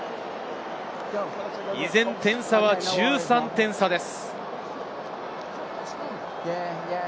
依然点差は１３点差です。